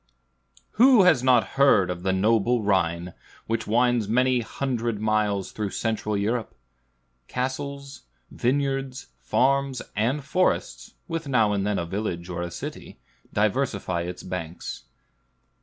Who has not heard of the noble Rhine, which winds many hundred miles through Central Europe? Castles, vineyards, farms, and forests, with now and then a village or a city, diversify its banks.